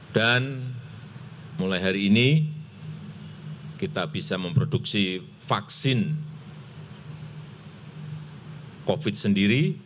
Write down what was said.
dan mulai hari ini kita bisa memproduksi vaksin covid sembilan belas sendiri